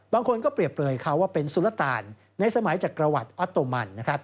บางคนก็เปรียบเปลยเขาว่าเป็นสุรตานในสมัยจากกระวัติอัตโตมัน